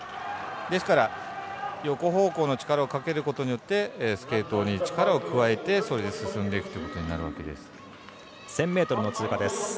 ですから、横方向の力をかけることによってスケートに力を加えてそれで進んでいくということになるわけです。